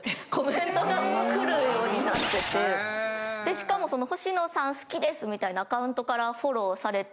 しかも「ほしのさん好きです」みたいなアカウントからフォローされて。